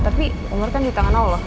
tapi umur kan di tangan allah